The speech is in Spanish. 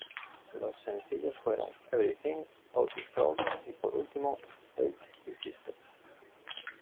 Los sencillos fueron "Everything", "Out Is Through" y por último "Eight Easy Steps".